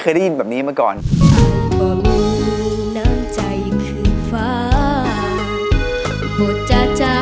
เพราะว่าเพราะว่าเพราะว่าเพราะ